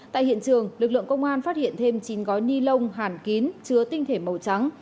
tại hiện trường lực lượng công an phát hiện thêm chín gói ni lông hàn kín chứa tinh thể màu trắng